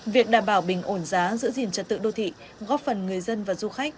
việc đảm bảo bình ổn giá giữ gìn trật tự đô thị góp phần người dân và du khách